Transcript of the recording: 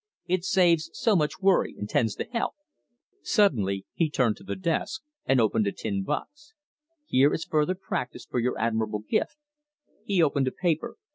It saves so much worry, and tends to health." Suddenly he turned to the desk and opened a tin box. "Here is further practice for your admirable gift." He opened a paper.